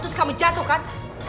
terus kamu jatuh kan